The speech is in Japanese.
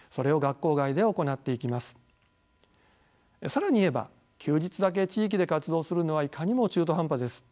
更に言えば休日だけ地域で活動するのはいかにも中途半端です。